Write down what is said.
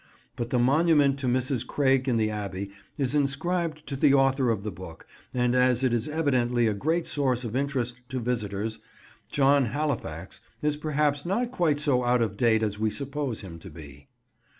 But the monument to Mrs. Craik in the Abbey is inscribed to the author of the book, and as it is evidently a great source of interest to visitors, John Halifax is perhaps not quite so out of date as we suppose him to be.